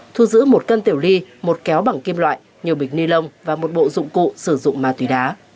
thu giữ một cân tiểu ly một kéo bằng kim loại nhiều bịch ni lông và một bộ dụng cụ sử dụng ma túy đá